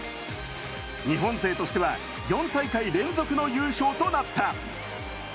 日本勢としては４大会連続の優勝となった。